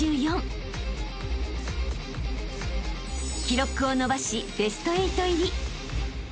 ［記録を伸ばしベスト８入り］